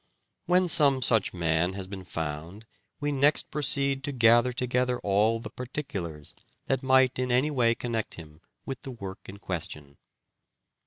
When some such man has been found we next proceed to gather together all the particulars that might in any way connect him with the work in question.